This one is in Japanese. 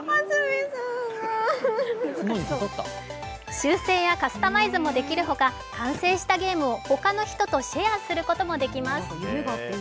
修正やカスタマイズもできるほか、完成したゲームを他の人とシェアすることもできます。